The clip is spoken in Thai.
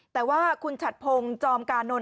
แต่ว่าคุณฉัดพงศ์จอมกานนท